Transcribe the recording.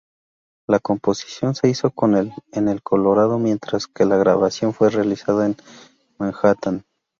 La composición se hizo en Colorado, mientras que la grabación fue realizada en Manhattan.